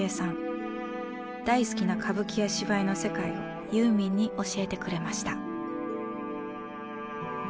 大好きな歌舞伎や芝居の世界をユーミンに教えてくれました。